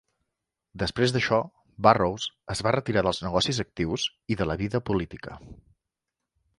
Després d'això, Burrows es va retirar dels negocis actius i de la vida política.